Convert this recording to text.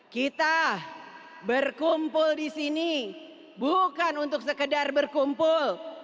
kita berkumpul disini bukan untuk sekedar berkumpul